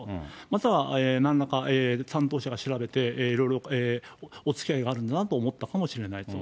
または、なんらか担当者が調べて、いろいろおつきあいがあるんだなと思ったかもしれないと。